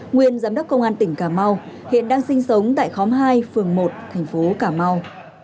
nguyên giám đốc công an tỉnh cà mau hiện đang sinh sống tại khóm hai phường một thành phố cà mau